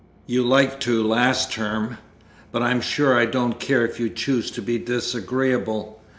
You liked to last term. But I'm sure I don't care if you choose to be disagreeable.